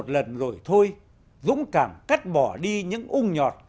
một lần rồi thôi dũng cảm cắt bỏ đi những ung nhọt